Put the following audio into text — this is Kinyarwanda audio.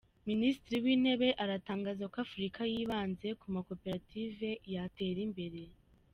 Minisitiri w’Intebe aratangaza ko Afurika yibanze ku makoperative yatera imbere